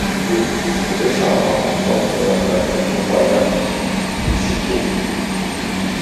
Ses descendants formèrent la famille royale du Sikkim.